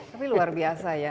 tapi luar biasa ya